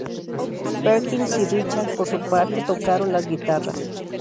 Perkins y Richards por su parte tocaron las guitarras.